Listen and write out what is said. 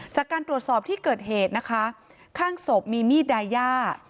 จากการตรวจสอบที่เกิดเหตุนะคะข้างศพมีมีดดายา